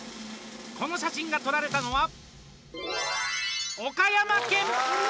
この写真が撮られたのは岡山県。